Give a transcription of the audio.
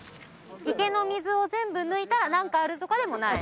池の水を全部抜いたらなんかあるとかでもない？